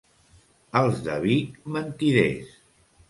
Els de Vic, mentiders.